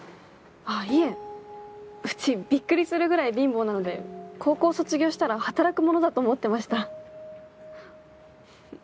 あいえうちビックリするぐらい貧乏なので高校卒業したら働くものだと思ってました。